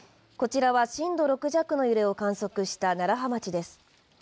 こちらは震度６弱の揺れを観測した楢葉町です。